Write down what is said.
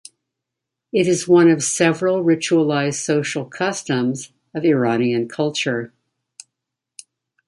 It is one of several ritualized social customs of Iranian culture.